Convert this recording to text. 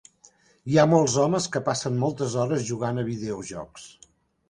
Hi ha molts homes que passen moltes hores jugant a videojocs.